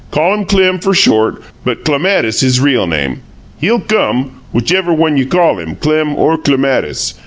Call him Clem fer short, but Clematis his real name. He'll come, whichever one you call him, Clem or Clematis.